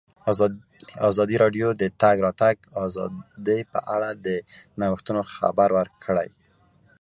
ازادي راډیو د د تګ راتګ ازادي په اړه د نوښتونو خبر ورکړی.